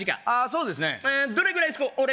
ああそうですねどれぐらいすこう？